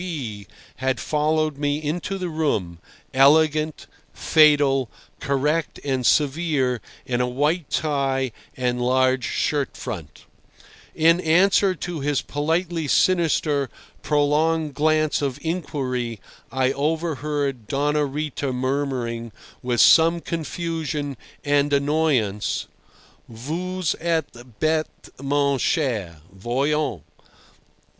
K. B. had followed me into the room, elegant, fatal, correct and severe in a white tie and large shirt front. In answer to his politely sinister, prolonged glance of inquiry, I overheard Doña Rita murmuring, with some confusion and annoyance, "Vous êtes bête mon cher. Voyons!